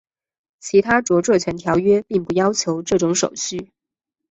其他着作权条约并不要求这种手续。